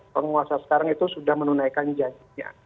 penguasa sekarang itu sudah menunaikan janjinya